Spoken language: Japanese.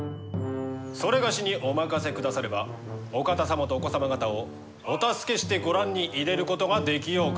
某にお任せくださればお方様とお子様方をお助けしてご覧に入れることができようかと。